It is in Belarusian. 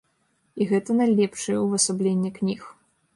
І гэта найлепшае ўвасабленне кніг.